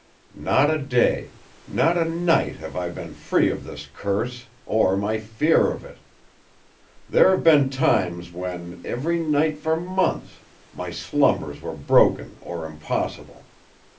Not a day, not a night, have I been free of this curse, or my fear of it. There have been times when, every night for months, my slumbers were broken or impossible!